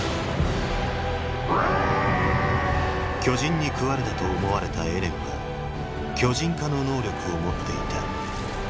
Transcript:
巨人に食われたと思われたエレンは巨人化の能力を持っていた。